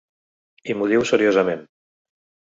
I m’ho diu seriosament.